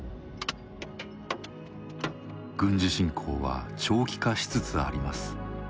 軍事侵攻は長期化しつつあります。